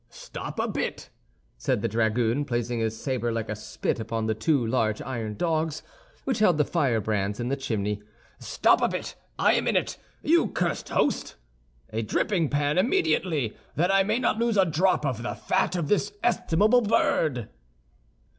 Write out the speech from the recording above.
"Stop a bit," said the dragoon, placing his saber like a spit upon the two large iron dogs which held the firebrands in the chimney, "stop a bit, I am in it. You cursed host! a dripping pan immediately, that I may not lose a drop of the fat of this estimable bird."